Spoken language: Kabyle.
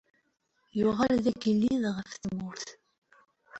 Yuɣal d agellid ɣef tmurt.